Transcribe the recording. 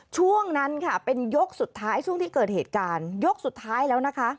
ช่วงนั้นค่ะเป็นยกสุดท้ายช่วงที่เกิดเหตุการณ์ยกสุดท้ายแล้วนะคะ